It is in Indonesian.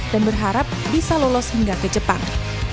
dan berharap bisa lolos hingga ke jepang